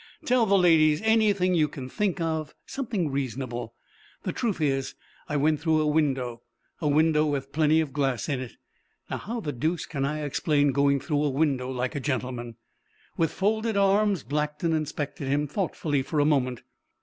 Tell the ladies anything you can think of something reasonable. The truth is, I went through a window a window with plenty of glass in it. Now how the deuce can I explain going through a window like a gentleman?" With folded arms, Blackton inspected him thoughtfully for a moment.